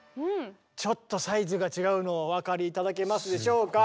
ちょっとサイズが違うのお分かり頂けますでしょうか？